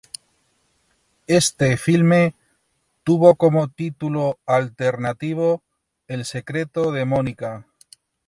Este filme tuvo como título alternativo El secreto de Mónica.